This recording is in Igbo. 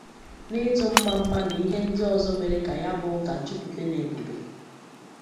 na ịtụ mmamma na ihe ndị ọzọ mere ka ya bụ ụka jupute n'ebubè.